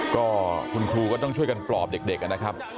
ก็คุณครูก็ต้องช่วยกันปลอบเด็กนะครับ